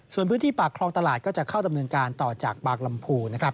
ส่วนพื้นที่ปากคลองตลาดก็จะเข้าดำเนินการต่อจากบางลำภูนะครับ